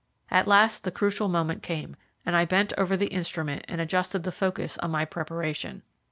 At last the crucial moment came, and I bent over the instrument and adjusted the focus on my preparation.